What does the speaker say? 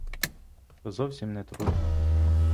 То зовсім не трудно.